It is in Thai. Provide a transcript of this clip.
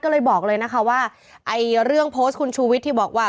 ก็เลยบอกเลยนะคะว่าไอ้เรื่องโพสต์คุณชูวิทย์ที่บอกว่า